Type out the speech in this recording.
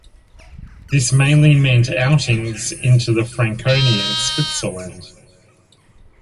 This mainly meant outings into the Franconian Switzerland.